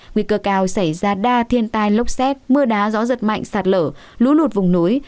nguy cơ cao xảy ra đa thiên tai lốc xét mưa đá gió giật mạnh sạt lở lũ lụt vùng núi